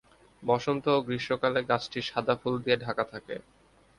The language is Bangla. বসন্ত ও গ্রীষ্মকালে গাছটি সাদা ফুল দিয়ে ঢাকা থাকে।